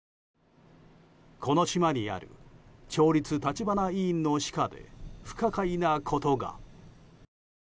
この島にある町立橘医院の歯科で不可解なことが。